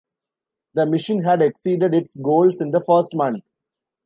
The mission had exceeded its goals in the first month.